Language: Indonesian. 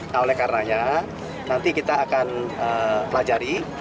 nah oleh karenanya nanti kita akan pelajari